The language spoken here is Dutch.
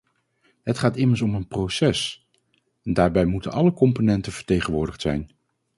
Het gaat immers om een proces, en daarbij moeten alle componenten vertegenwoordigd zijn.